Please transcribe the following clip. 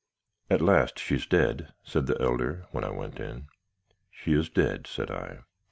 "'At last she's dead?' said the elder, when I went in. "'She is dead,' said I.